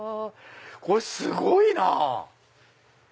これすごいなぁ！